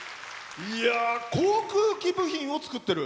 航空機部品を作ってる。